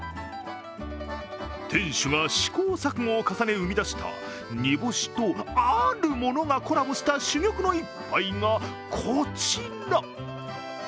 店主が試行錯誤を重ね生み出した煮干しと、あるものがコラボした珠玉の一杯がこちら。